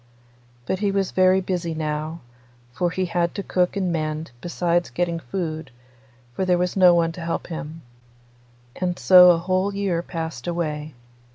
But he was very busy now, for he had to cook and mend, besides getting food, for there was no one to help him. And so a whole year passed away.